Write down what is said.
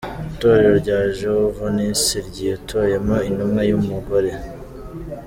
Itorero rya Jehovanisi ryitoyemo intumwa y’umugore